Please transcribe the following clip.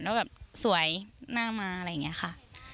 แล้วแบบสวยน่ามาอะไรอย่างนี้ค่ะ